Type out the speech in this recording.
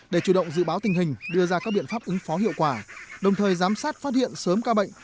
để chủ động dự báo tình hình đưa ra các biện pháp ứng phó hiệu quả đồng thời giám sát phát hiện sớm ca bệnh